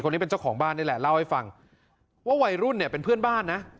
เจ้าของบ้านนี่แหละเล่าให้ฟังว่าวัยรุ่นเนี่ยเป็นเพื่อนบ้านนะ